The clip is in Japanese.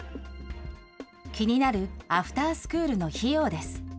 気になるアフタースクールの費用です。